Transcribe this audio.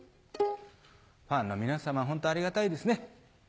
ファンの皆さまはホントありがたいですね。